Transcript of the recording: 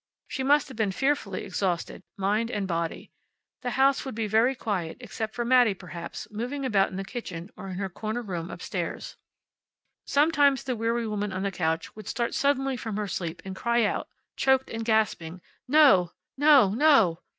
She must have been fearfully exhausted, mind and body. The house would be very quiet, except for Mattie, perhaps, moving about in the kitchen or in her corner room upstairs. Sometimes the weary woman on the couch would start suddenly from her sleep and cry out, choked and gasping, "No! No! No!"